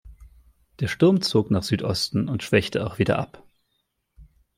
Der Sturm zog nach Südosten und schwächte such wieder ab.